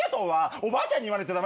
おばあちゃん？